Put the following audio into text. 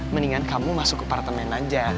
mendingan kamu masuk ke apartemen aja